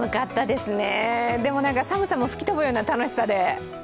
でも寒さも吹き飛ぶような楽しさで。